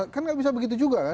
kan nggak bisa begitu juga kan